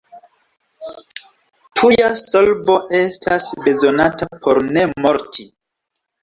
Tuja solvo estas bezonata por ne morti.